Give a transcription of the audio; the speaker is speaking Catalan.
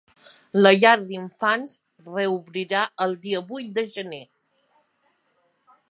La llar d’infants reobrirà el dia vuit de gener.